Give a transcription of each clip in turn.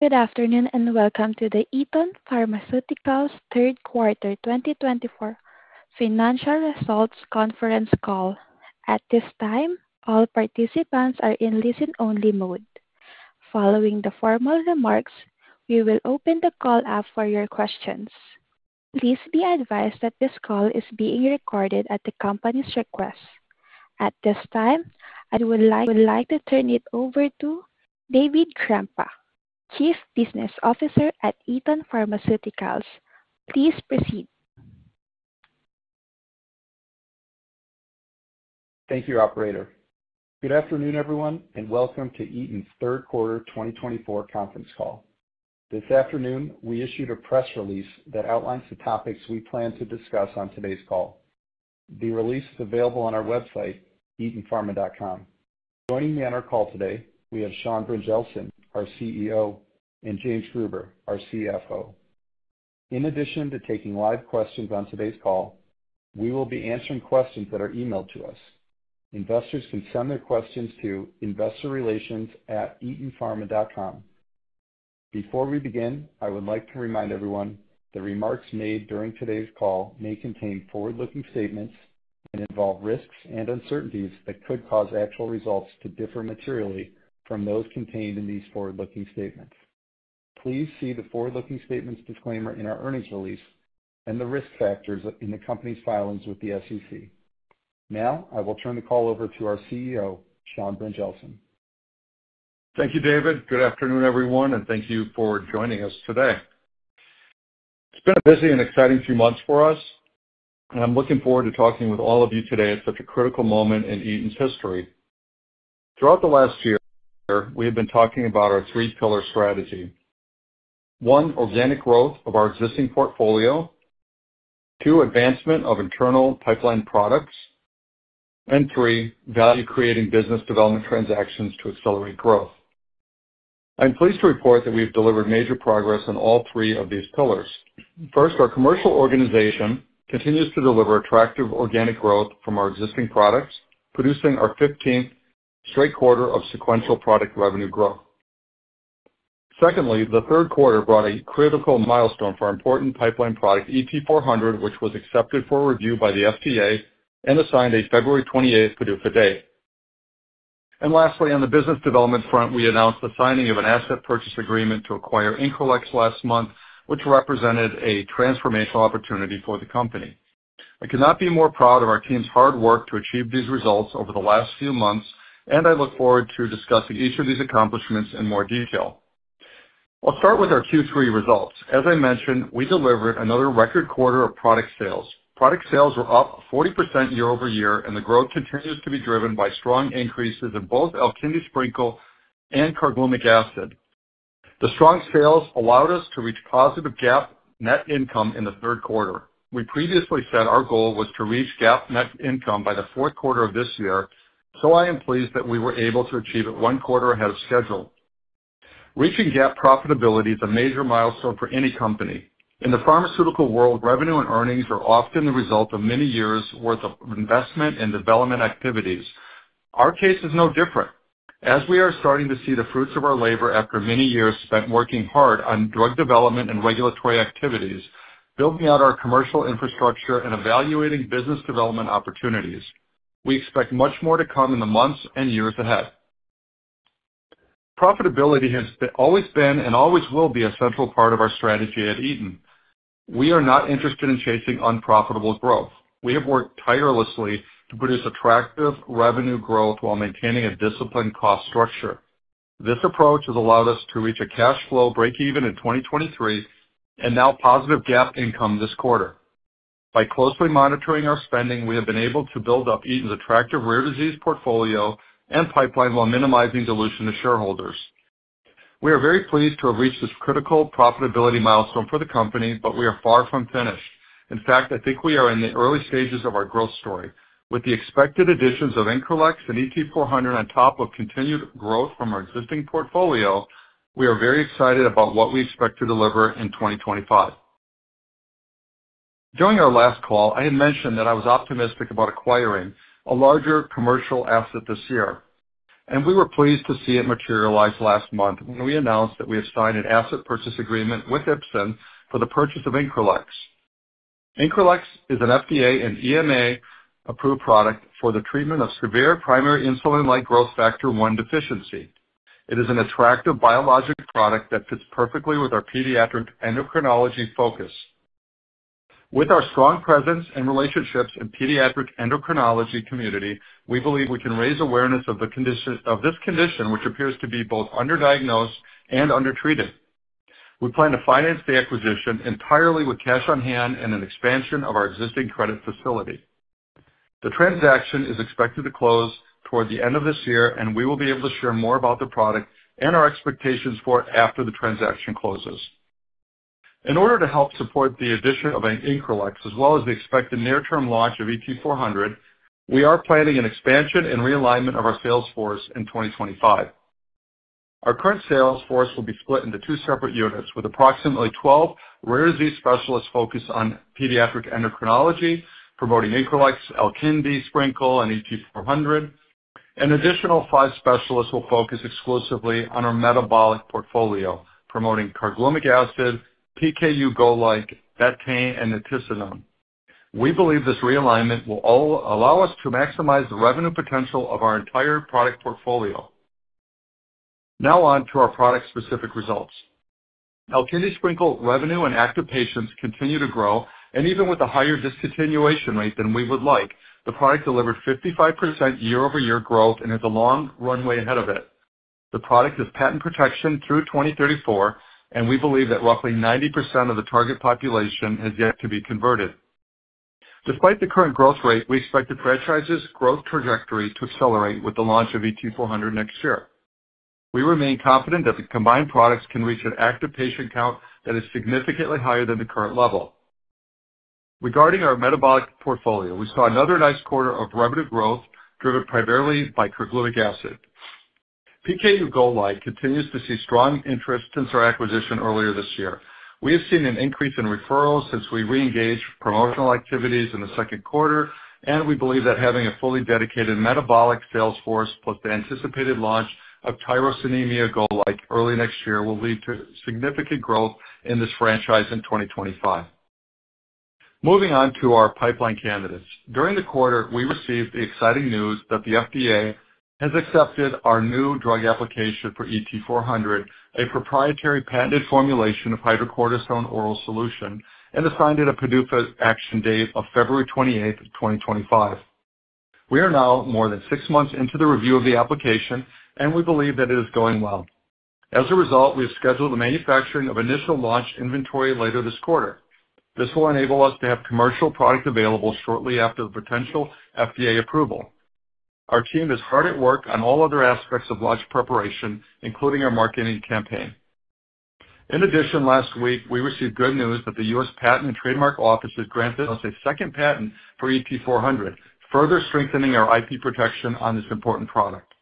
Good afternoon, and welcome to the Eton Pharmaceuticals third quarter 2024 financial results conference call. At this time, all participants are in listen-only mode. Following the formal remarks, we will open the call up for your questions. Please be advised that this call is being recorded at the company's request. At this time, I would like to turn it over to David Krempa, Chief Business Officer at Eton Pharmaceuticals. Please proceed. Thank you, Operator. Good afternoon, everyone, and welcome to Eton's third quarter 2024 conference call. This afternoon, we issued a press release that outlines the topics we plan to discuss on today's call. The release is available on our website, etonpharma.com. Joining me on our call today, we have Sean Brynjelsen, our CEO, and James Gruber, our CFO. In addition to taking live questions on today's call, we will be answering questions that are emailed to us. Investors can send their questions to investorrelations@etonpharma.com. Before we begin, I would like to remind everyone that remarks made during today's call may contain forward-looking statements and involve risks and uncertainties that could cause actual results to differ materially from those contained in these forward-looking statements. Please see the forward-looking statements disclaimer in our earnings release and the risk factors in the company's filings with the SEC. Now, I will turn the call over to our CEO, Sean Brynjelsen. Thank you, David. Good afternoon, everyone, and thank you for joining us today. It's been a busy and exciting few months for us, and I'm looking forward to talking with all of you today at such a critical moment in Eton's history. Throughout the last year, we have been talking about our three-pillar strategy: one, organic growth of our existing portfolio; two, advancement of internal pipeline products; and three, value-creating business development transactions to accelerate growth. I'm pleased to report that we have delivered major progress on all three of these pillars. First, our commercial organization continues to deliver attractive organic growth from our existing products, producing our 15th straight quarter of sequential product revenue growth. Secondly, the third quarter brought a critical milestone for our important pipeline product, ET-400, which was accepted for review by the FDA and assigned a February 28th PDUFA date. Lastly, on the business development front, we announced the signing of an asset purchase agreement to acquire Increlex last month, which represented a transformational opportunity for the company. I could not be more proud of our team's hard work to achieve these results over the last few months, and I look forward to discussing each of these accomplishments in more detail. I'll start with our Q3 results. As I mentioned, we delivered another record quarter of product sales. Product sales were up 40% year-over-year, and the growth continues to be driven by strong increases in both Alkindi Sprinkle and carglumic acid. The strong sales allowed us to reach positive GAAP net income in the third quarter. We previously said our goal was to reach GAAP net income by the fourth quarter of this year, so I am pleased that we were able to achieve it one quarter ahead of schedule. Reaching GAAP profitability is a major milestone for any company. In the pharmaceutical world, revenue and earnings are often the result of many years' worth of investment and development activities. Our case is no different. As we are starting to see the fruits of our labor after many years spent working hard on drug development and regulatory activities, building out our commercial infrastructure, and evaluating business development opportunities, we expect much more to come in the months and years ahead. Profitability has always been and always will be a central part of our strategy at Eton. We are not interested in chasing unprofitable growth. We have worked tirelessly to produce attractive revenue growth while maintaining a disciplined cost structure. This approach has allowed us to reach a cash flow break-even in 2023 and now positive GAAP income this quarter. By closely monitoring our spending, we have been able to build up Eton's attractive rare disease portfolio and pipeline while minimizing dilution to shareholders. We are very pleased to have reached this critical profitability milestone for the company, but we are far from finished. In fact, I think we are in the early stages of our growth story. With the expected additions of Increlex and ET-400 on top of continued growth from our existing portfolio, we are very excited about what we expect to deliver in 2025. During our last call, I had mentioned that I was optimistic about acquiring a larger commercial asset this year, and we were pleased to see it materialize last month when we announced that we had signed an asset purchase agreement with Ipsen for the purchase of Increlex. Increlex is an FDA and EMA-approved product for the treatment of severe primary insulin-like growth factor-1 deficiency. It is an attractive biologic product that fits perfectly with our pediatric endocrinology focus. With our strong presence and relationships in the pediatric endocrinology community, we believe we can raise awareness of this condition, which appears to be both underdiagnosed and undertreated. We plan to finance the acquisition entirely with cash on hand and an expansion of our existing credit facility. The transaction is expected to close toward the end of this year, and we will be able to share more about the product and our expectations for it after the transaction closes. In order to help support the addition of Increlex, as well as the expected near-term launch of ET-400, we are planning an expansion and realignment of our sales force in 2025. Our current sales force will be split into two separate units, with approximately 12 rare disease specialists focused on pediatric endocrinology, promoting Increlex, Alkindi Sprinkle, and ET-400. An additional five specialists will focus exclusively on our metabolic portfolio, promoting carglumic acid, PKU GOLIKE, betaine, and nitisinone. We believe this realignment will allow us to maximize the revenue potential of our entire product portfolio. Now on to our product-specific results. Alkindi Sprinkle revenue and active patients continue to grow, and even with a higher discontinuation rate than we would like, the product delivered 55% year-over-year growth and has a long runway ahead of it. The product has patent protection through 2034, and we believe that roughly 90% of the target population has yet to be converted. Despite the current growth rate, we expect the franchise's growth trajectory to accelerate with the launch of ET-400 next year. We remain confident that the combined products can reach an active patient count that is significantly higher than the current level. Regarding our metabolic portfolio, we saw another nice quarter of revenue growth driven primarily by Carglumic Acid. PKU GOLIKE continues to see strong interest since our acquisition earlier this year. We have seen an increase in referrals since we re-engaged promotional activities in the second quarter, and we believe that having a fully dedicated metabolic sales force, plus the anticipated launch of TYR GOLIKE early next year, will lead to significant growth in this franchise in 2025. Moving on to our pipeline candidates. During the quarter, we received the exciting news that the FDA has accepted our new drug application for ET-400, a proprietary patented formulation of hydrocortisone oral solution, and assigned it a PDUFA action date of February 28th, 2025. We are now more than six months into the review of the application, and we believe that it is going well. As a result, we have scheduled the manufacturing of initial launch inventory later this quarter. This will enable us to have a commercial product available shortly after the potential FDA approval. Our team is hard at work on all other aspects of launch preparation, including our marketing campaign. In addition, last week, we received good news that the U.S. Patent and Trademark Office has granted us a second patent for ET-400, further strengthening our IP protection on this important product.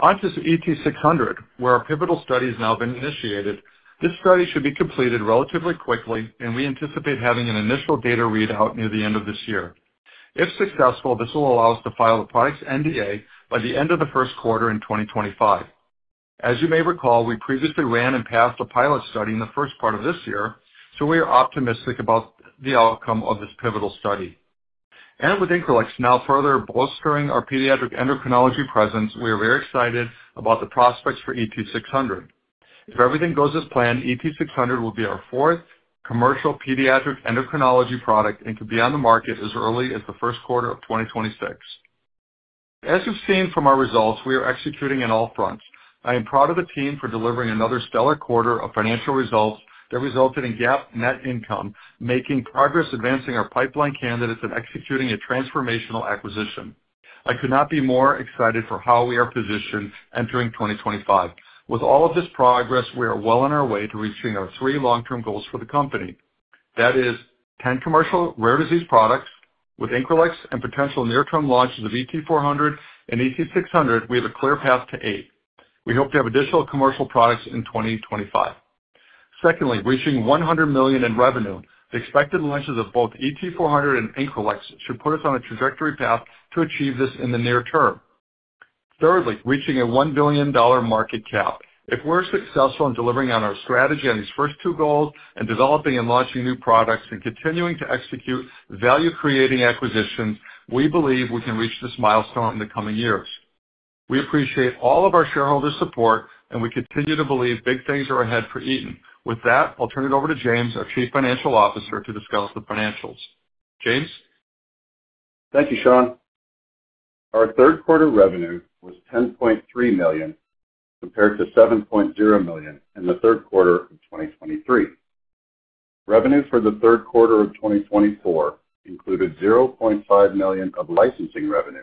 On to ET-600, where our pivotal study has now been initiated. This study should be completed relatively quickly, and we anticipate having an initial data readout near the end of this year. If successful, this will allow us to file the product's NDA by the end of the first quarter in 2025. As you may recall, we previously ran and passed a pilot study in the first part of this year, so we are optimistic about the outcome of this pivotal study, and with Increlex now further bolstering our pediatric endocrinology presence, we are very excited about the prospects for ET-600. If everything goes as planned, ET-600 will be our fourth commercial pediatric endocrinology product and could be on the market as early as the first quarter of 2026. As you've seen from our results, we are executing on all fronts. I am proud of the team for delivering another stellar quarter of financial results that resulted in GAAP net income, making progress, advancing our pipeline candidates, and executing a transformational acquisition. I could not be more excited for how we are positioned entering 2025. With all of this progress, we are well on our way to reaching our three long-term goals for the company. That is 10 commercial rare disease products with Increlex and potential near-term launches of ET-400 and ET-600. We have a clear path to eight. We hope to have additional commercial products in 2025. Secondly, reaching $100 million in revenue. The expected launches of both ET-400 and Increlex should put us on a trajectory path to achieve this in the near term. Thirdly, reaching a $1 billion market cap. If we're successful in delivering on our strategy on these first two goals and developing and launching new products and continuing to execute value-creating acquisitions, we believe we can reach this milestone in the coming years. We appreciate all of our shareholders' support, and we continue to believe big things are ahead for Eton. With that, I'll turn it over to James, our Chief Financial Officer, to discuss the financials. James? Thank you, Sean. Our third-quarter revenue was $10.3 million compared to $7.0 million in the third quarter of 2023. Revenue for the third quarter of 2024 included $0.5 million of licensing revenue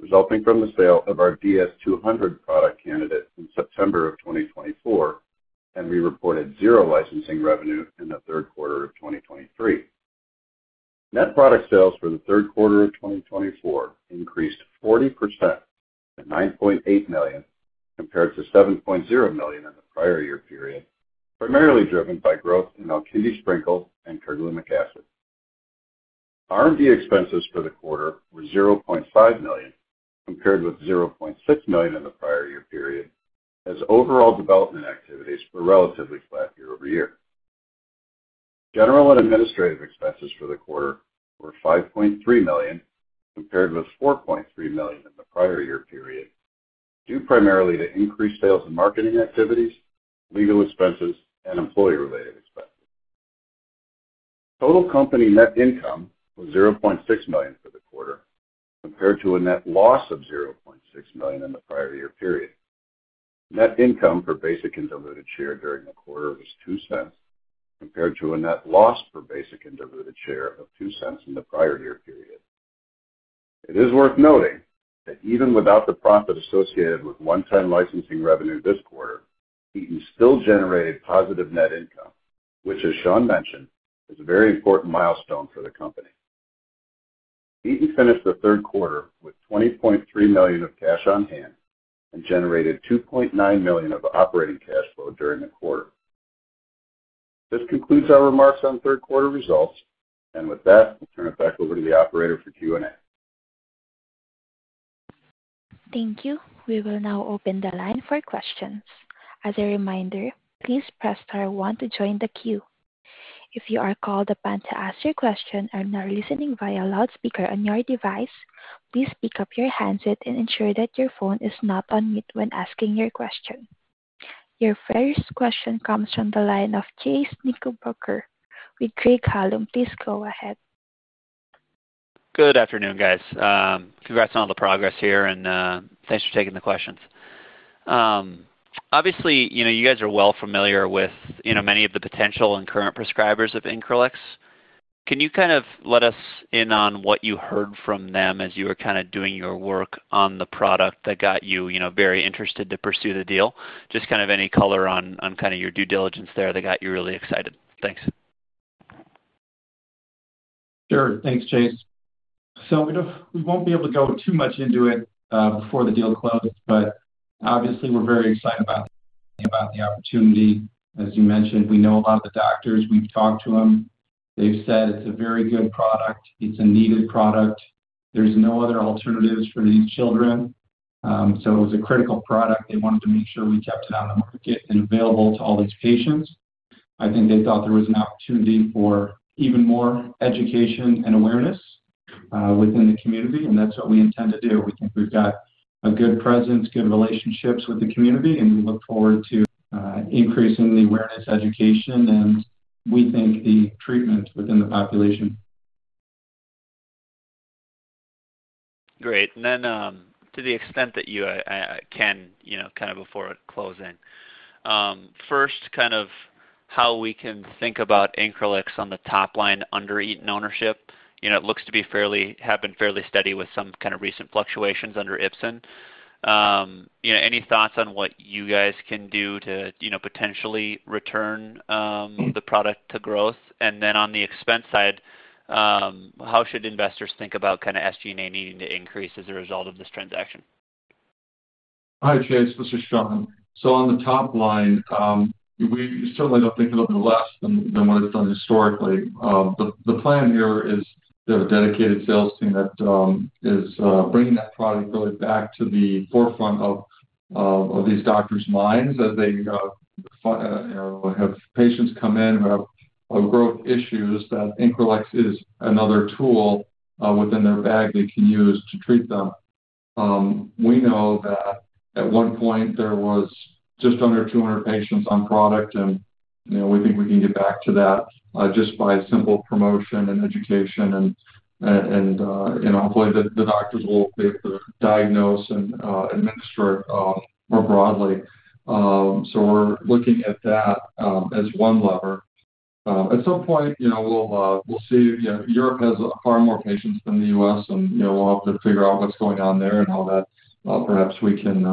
resulting from the sale of our DS-200 product candidate in September of 2024, and we reported zero licensing revenue in the third quarter of 2023. Net product sales for the third quarter of 2024 increased 40% to $9.8 million compared to $7.0 million in the prior year period, primarily driven by growth in Alkindi Sprinkle and Carglumic Acid. R&D expenses for the quarter were $0.5 million compared with $0.6 million in the prior year period, as overall development activities were relatively flat year-over-year. General and administrative expenses for the quarter were $5.3 million compared with $4.3 million in the prior year period, due primarily to increased sales and marketing activities, legal expenses, and employee-related expenses. Total company net income was $0.6 million for the quarter compared to a net loss of $0.6 million in the prior year period. Net income per basic and diluted share during the quarter was $0.02 compared to a net loss per basic and diluted share of $0.02 in the prior year period. It is worth noting that even without the profit associated with one-time licensing revenue this quarter, Eton still generated positive net income, which, as Sean mentioned, is a very important milestone for the company. Eton finished the third quarter with $20.3 million of cash on hand and generated $2.9 million of operating cash flow during the quarter. This concludes our remarks on third quarter results, and with that, I'll turn it back over to the operator for Q&A. Thank you. We will now open the line for questions. As a reminder, please press star one to join the queue. If you are called upon to ask your question or are now listening via loudspeaker on your device, please pick up your handset and ensure that your phone is not on mute when asking your question. Your first question comes from the line of Chase Knickerbocker with Craig-Hallum, please go ahead. Good afternoon, guys. Congrats on all the progress here, and thanks for taking the questions. Obviously, you guys are well familiar with many of the potential and current prescribers of Increlex. Can you kind of let us in on what you heard from them as you were kind of doing your work on the product that got you very interested to pursue the deal? Just kind of any color on kind of your due diligence there that got you really excited. Thanks. Sure. Thanks, Chase. So we won't be able to go too much into it before the deal closed, but obviously, we're very excited about the opportunity. As you mentioned, we know a lot of the doctors. We've talked to them. They've said it's a very good product. It's a needed product. There's no other alternatives for these children. So it was a critical product. They wanted to make sure we kept it on the market and available to all these patients. I think they thought there was an opportunity for even more education and awareness within the community, and that's what we intend to do. We think we've got a good presence, good relationships with the community, and we look forward to increasing the awareness, education, and we think the treatment within the population. Great. And then to the extent that you can, kind of before closing, first, kind of how we can think about Increlex on the top line under Eton ownership. It looks to have been fairly steady with some kind of recent fluctuations under Ipsen. Any thoughts on what you guys can do to potentially return the product to growth? And then on the expense side, how should investors think about kind of SG&A needing to increase as a result of this transaction? Hi, Chase. This is Sean. So on the top line, we certainly don't think it'll be less than what it's done historically. The plan here is they have a dedicated sales team that is bringing that product really back to the forefront of these doctors' minds as they have patients come in who have growth issues that Increlex is another tool within their bag they can use to treat them. We know that at one point, there was just under 200 patients on product, and we think we can get back to that just by simple promotion and education, and hopefully, the doctors will be able to diagnose and administer more broadly. So we're looking at that as one lever. At some point, we'll see. Europe has far more patients than the U.S., and we'll have to figure out what's going on there and how that perhaps we can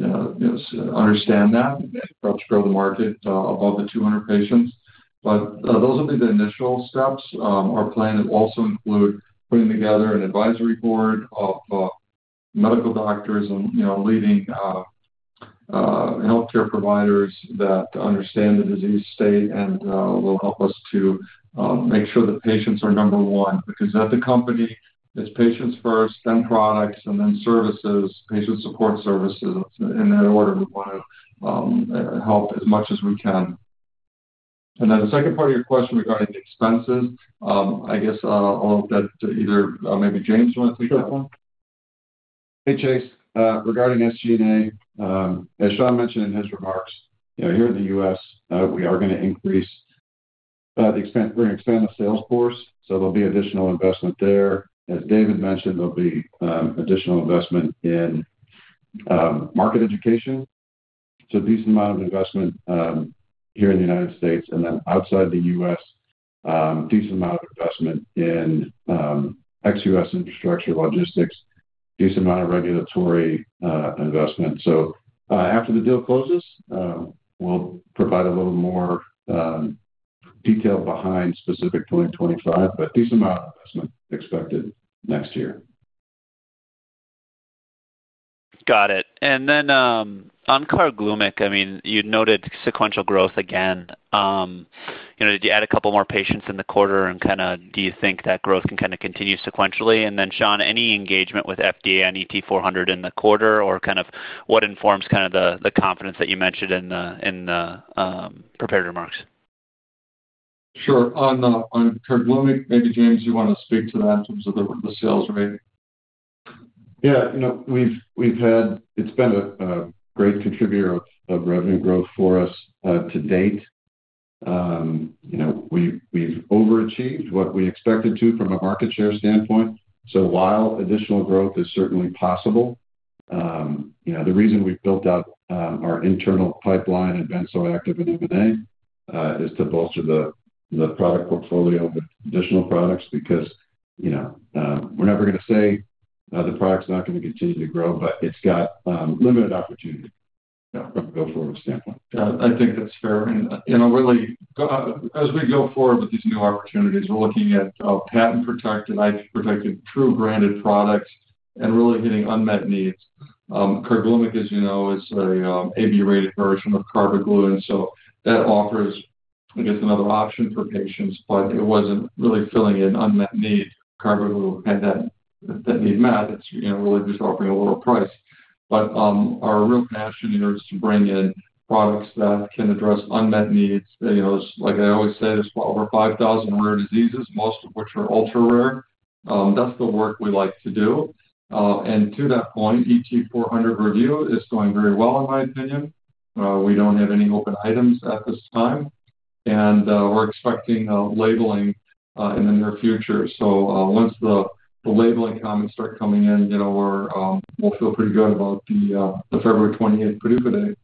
understand that and perhaps grow the market above the 200 patients. But those will be the initial steps. Our plan will also include putting together an advisory board of medical doctors and leading healthcare providers that understand the disease state and will help us to make sure the patients are number one because at the company, it's patients first, then products, and then services, patient support services, in that order. We want to help as much as we can. And then the second part of your question regarding the expenses, I guess I'll let that to either maybe James want to take that one. Sure. Hey, Chase. Regarding SG&A, as Sean mentioned in his remarks, here in the U.S., we are going to increase the expansion of sales force, so there'll be additional investment there. As David mentioned, there'll be additional investment in market education. So a decent amount of investment here in the United States, and then outside the U.S., a decent amount of investment in ex-U.S. infrastructure, logistics, a decent amount of regulatory investment. So after the deal closes, we'll provide a little more detail behind specific 2025, but a decent amount of investment expected next year. Got it. And then on Carglumic, I mean, you noted sequential growth again. Did you add a couple more patients in the quarter, and kind of do you think that growth can kind of continue sequentially? And then, Sean, any engagement with FDA on ET-400 in the quarter, or kind of what informs kind of the confidence that you mentioned in the prepared remarks? Sure. On Carglumic, maybe James, you want to speak to that in terms of the sales rate? Yeah. It's been a great contributor of revenue growth for us to date. We've overachieved what we expected to from a market share standpoint. So while additional growth is certainly possible, the reason we've built out our internal pipeline and been so active in M&A is to bolster the product portfolio with additional products because we're never going to say the product's not going to continue to grow, but it's got limited opportunity from a go-forward standpoint. I think that's fair, and really, as we go forward with these new opportunities, we're looking at patent-protected, IP-protected, true-branded products and really hitting unmet needs. Carglumic, as you know, is an AB-rated version of Carbaglu, and so that offers, I guess, another option for patients, but it wasn't really filling an unmet need for Carbaglu that need met. It's really just offering a lower price, but our real passion here is to bring in products that can address unmet needs. Like I always say, there's over 5,000 rare diseases, most of which are ultra-rare. That's the work we like to do, and to that point, ET-400 review is going very well, in my opinion. We don't have any open items at this time, and we're expecting labeling in the near future, so once the labeling comments start coming in, we'll feel pretty good about the February 28th PDUFA date.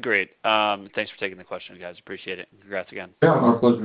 Great. Thanks for taking the question, guys. Appreciate it. Congrats again. Yeah. Our pleasure.